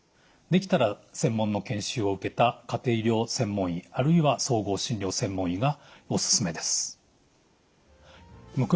できたら専門の研修を受けた家庭医療専門医あるいは総合診療専門医がおすすめです。